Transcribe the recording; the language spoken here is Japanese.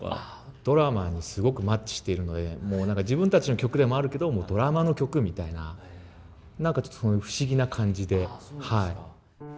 ドラマにすごくマッチしているのでもう何か自分たちの曲でもあるけどドラマの曲みたいな何かちょっと不思議な感じで。